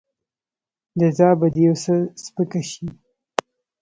جزا به دې يو څه سپکه شي.